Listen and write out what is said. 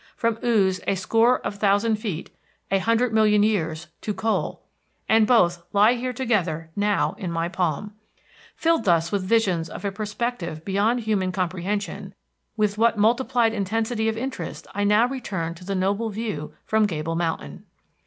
From ooze a score of thousand feet, a hundred million years, to coal! And both lie here together now in my palm! Filled thus with visions of a perspective beyond human comprehension, with what multiplied intensity of interest I now returned to the noble view from Gable Mountain!